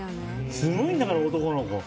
すごいんだから、男の子。